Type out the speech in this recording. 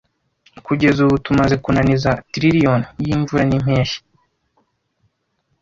Kugeza ubu tumaze kunaniza trillioni yimvura nimpeshyi,